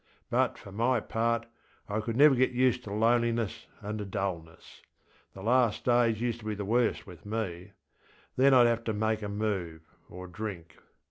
But, for my part, I could never get used to loneliness and dulness; the last days used to be the worst with me: then IŌĆÖd have to make a move, or drink.